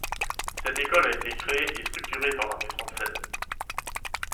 Cette école a été créée et structurée par l'armée française.